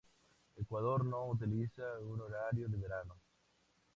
Ecuador no utiliza un horario de verano.